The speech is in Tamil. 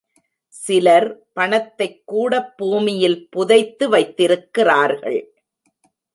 சிலர் பணத்தைக்கூடப் பூமியில் புதைத்து வைத்திருக்கிறார்கள்.